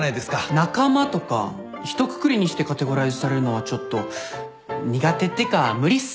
仲間とかひとくくりにしてカテゴライズされるのはちょっと苦手っていうか無理っすね。